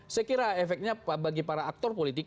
saya kira efeknya bagi para aktor politik